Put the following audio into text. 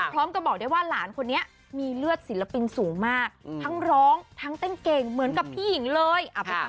บอกได้ว่าหลานคนนี้มีเลือดศิลปินสูงมากทั้งร้องทั้งเต้นเก่งเหมือนกับพี่หญิงเลย